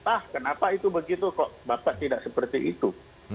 ah kenapa itu begitu kok bapak tidak seperti itu